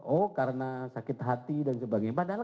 oh karena sakit hati dan sebagainya